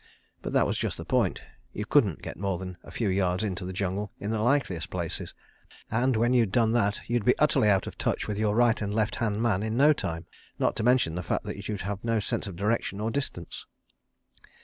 But that was just the point—you couldn't get more than a few yards into the jungle in the likeliest places, and, when you'd done that, you'd be utterly out of touch with your right and left hand man in no time—not to mention the fact that you'd have no sense of direction or distance.